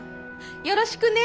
よろしくね。